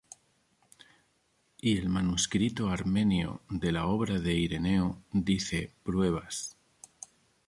Y el manuscrito armenio de la obra de Ireneo dice "pruebas".